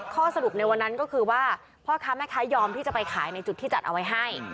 ข้อสรุปในวันนั้นก็คือว่าพ่อค้าแม่ค้ายอมที่จะไปขายในจุดที่จัดเอาไว้ให้